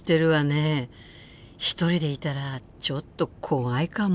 １人でいたらちょっと怖いかも。